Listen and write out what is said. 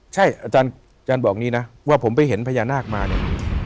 ใช่อาจารย์บอกอย่างนี้นะว่าผมไปเห็นพญานาคมาเนี่ย